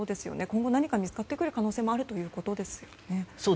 今後何か見つかってくる可能性もあるということですよね。